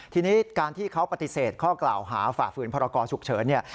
ทีนี้การที่เขาปฏิเสธข้อกล่าวหาฝ่าฝืนพรกรฉุกเฉินเนี่ย